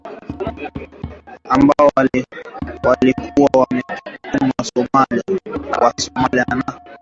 ambao walikuwa wametumwa Somalia kufanya kazi na wanajeshi wa Somalia na